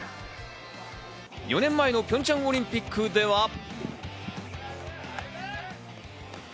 ４年前のピョンチャンオリンピックでは。